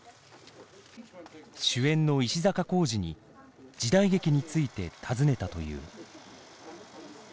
主演の石坂浩二に時代劇について尋ねたという。